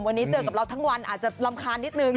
วันนี้เจอกับเราทั้งวันอาจจะรำคาญนิดนึง